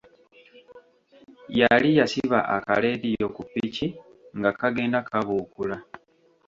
Yali yasiba akaleediyo ku ppiki nga kagenda kabuukula.